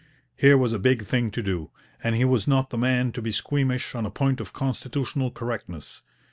Here was a big thing to do, and he was not the man to be squeamish on a point of constitutional correctness.